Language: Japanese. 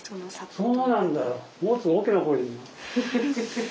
そうなんだよ。